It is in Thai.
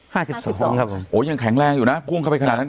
สิบสองคนครับผมโอ้ยังแข็งแรงอยู่นะพุ่งเข้าไปขนาดนั้น